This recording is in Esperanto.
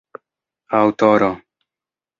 aŭtoro